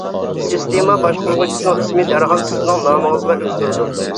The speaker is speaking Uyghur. سىستېما باشقۇرغۇچىسىنىڭ ئىسمى دەرھال سىزنىڭ نامىڭىزغا ئۆزگىرىدۇ.